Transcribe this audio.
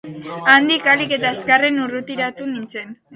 Handik ahalik eta azkarren urrutiratu nintzen.